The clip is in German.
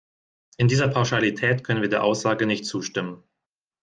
In dieser Pauschalität können wir der Aussage nicht zustimmen.